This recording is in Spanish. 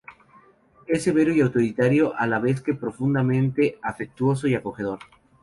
Es severo y autoritario, a la vez que profundamente afectuoso y acogedor.